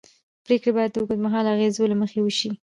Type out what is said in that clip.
پرېکړې باید د اوږدمهاله اغېزو له مخې وشي